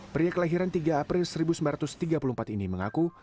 pria kelahiran tiga april seribu sembilan ratus tiga puluh empat ini mengaku